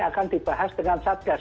akan dibahas dengan satgas